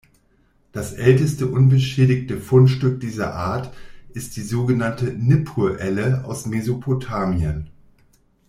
Das älteste unbeschädigte Fundstück dieser Art ist die sogenannte Nippur-Elle aus Mesopotamien.